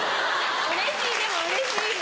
うれしいでもうれしいね。